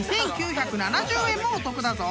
［２，９７０円もお得だぞ！］